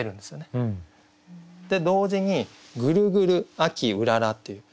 同時に「ぐるぐる秋うらら」っていう。